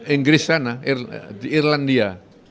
inggris sana di irlandia